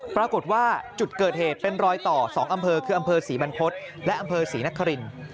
ปรากฏว่าจุดเกิดเหตุเป็นรอยต่อ๒อำเภอคืออำเภอศรีบรรพฤษและอำเภอศรีนคริน